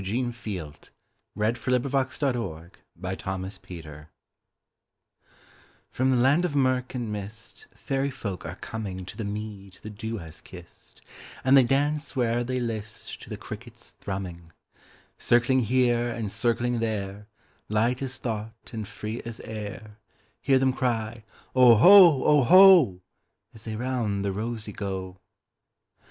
1861–1889 A Fairy Glee By Eugene Field (1850–1895) FROM the land of murk and mistFairy folk are comingTo the mead the dew has kissed, And they dance where'er they listTo the cricket's thrumming. Circling here and circling there, Light as thought and free as air, Hear them cry, "Oho, oho,"As they round the rosey go.